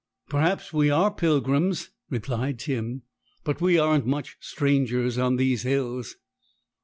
'Perhaps we are pilgrims,' replied Tim, 'but we aren't much strangers on these hills.'